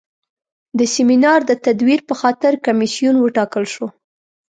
د سیمینار د تدویر په خاطر کمیسیون وټاکل شو.